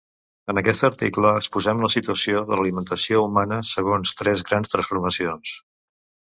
En aquest article exposem la situació de l’alimentació humana segons tres grans transformacions.